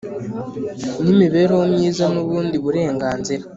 N imibereho myiza n ubundi burenganzira